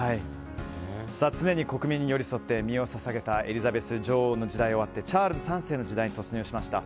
常に国民に寄り添って身を捧げたエリザベス女王の時代が終わってチャールズ３世の時代に突入しました。